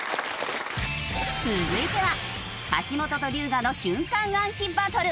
続いては橋本と龍我の瞬間暗記バトル。